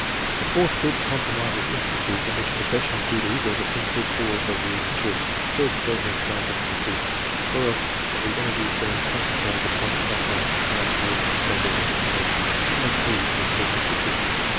The fourtli group comprises instances in which professional duty was a principal cause of the interest first felt in scientific pursuits, or else of the energies being concentrated upon some branch of science towards which no special in clination had previously been exhibited.